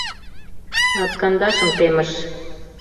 — Латкандашым темыш.